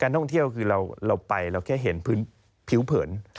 ท่องเที่ยวคือเราไปเราแค่เห็นพื้นผิวเผิน